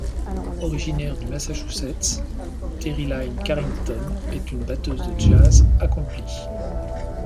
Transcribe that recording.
Originaire du Massachusetts, Terri Lyne Carrington est une batteuse de jazz accomplie.